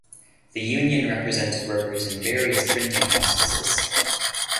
The union represented workers in various printing processes.